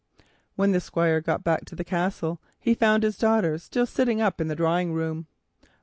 When the Squire got back to the castle, he found his daughter still sitting in the drawing room.